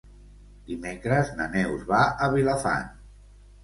Dimecres na Neus va a Vilafant.